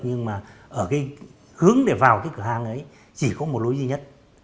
nhưng mà hướng để vào cái cửa hang ấy chỉ có một lối duy nhất